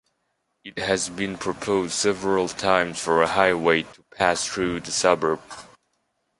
It has been proposed several times for a highway to pass through the suburb.